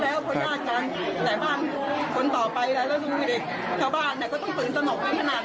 แต่ตำรวจบอกว่าจับไปแล้วทำอะไรเค้าไม่ได้